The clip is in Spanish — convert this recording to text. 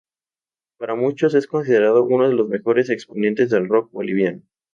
Para muchos, es considerado uno de los mejores exponentes del rock boliviano.